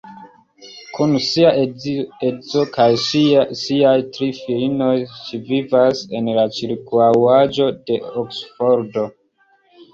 Kun sia edzo kaj siaj tri filinoj ŝi vivas en la ĉirkaŭaĵo de Oksfordo.